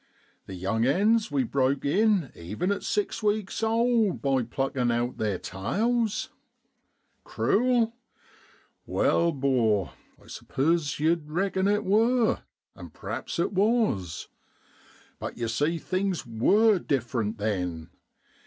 The young 'ens we broke in even at six weeks old by pluckin' out theer tails. Cruel ? Wai, 'bor, I s'pose yow'd reckon it wor, and p'raps it was. But yer see things ivor different then.